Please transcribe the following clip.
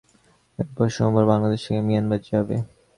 এরপর সোমবার বাংলাদেশ থেকে মিয়ানমার যাবে।